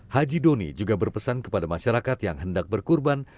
haji doni juga berpesan kepada masyarakat yang hendak berkurban